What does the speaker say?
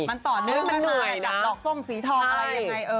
มันต่อหนึ่งกันมาจากดอกส้มสีทองอะไรยังไง